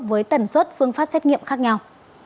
với tần suất phương pháp xét nghiệm khác nhau